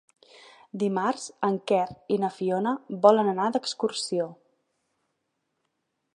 Dimarts en Quer i na Fiona volen anar d'excursió.